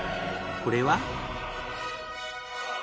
これは？